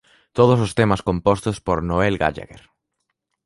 Todos os temas compostos por Noel Gallagher.